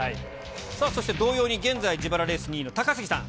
そして同様に、現在、自腹レース２位の高杉さん。